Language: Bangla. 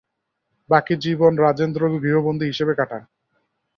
বাকি জীবন, রাজেন্দ্র গৃহবন্দী হিসেবে কাটান।